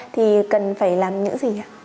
thì cần phải làm những gì